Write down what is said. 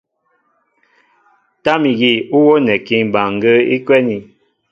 Tâm ígi ú wónɛkí mbaŋgə́ə́ í kwɛ́nī.